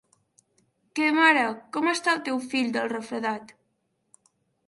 Què, mare, com està el teu fill del refredat?